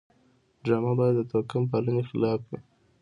ډرامه باید د توکم پالنې خلاف وي